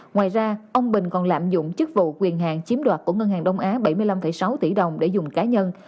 ngoài ra ông bình còn lạm dụng chức vụ quyền hạng chiếm đoạt của ngân hàng đông á bảy mươi năm sáu tỷ đồng để dùng cá nhân